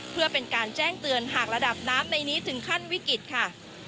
เพื่อเป็นการแจ้งเตือนหากระดับน้ำในนี้ถึงขั้นวิกฤตค่ะ